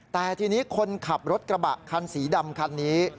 แต่ทีนี้คนขับรถกระบะคันสีดำคันนี้